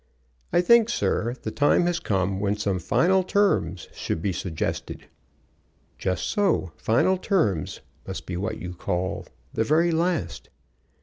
I think, sir, the time has come when some final terms should be suggested." "Just so. Final terms must be what you call the very last.